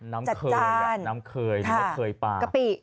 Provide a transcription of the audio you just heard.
น้ำเคยน้ำเคยปลา